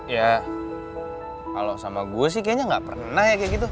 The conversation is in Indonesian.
ya kalau sama gue sih kayaknya nggak pernah ya kayak gitu